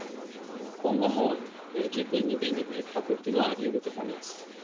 今後も十分に電力ひっ迫っていうのはありうると思います。